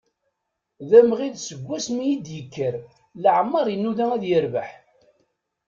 D amɣid seg wasmi i d-ikker, leɛmer i inuda ad yerbeḥ.